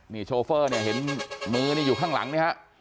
นี่โชเฟอร์เนี่ยเห็นมือนี่อยู่ข้างหลังนี่ฮะ